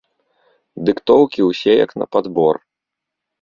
Дыктоўкі ўсе як на падбор!